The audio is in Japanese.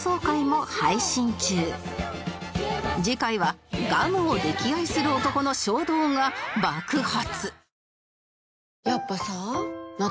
次回はガムを溺愛する男の衝動が爆発！